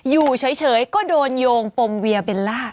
อยู่เฉยก็โดนโยงปมเวียเบลล่า